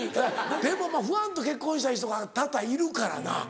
でもファンと結婚した人が多々いるからな。